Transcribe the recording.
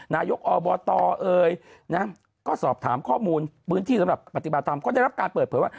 นายกอบตเอ่ยนะก็สอบถามข้อมูลพื้นที่สำหรับปฏิบัติธรรมก็ได้รับการเปิดเผยว่า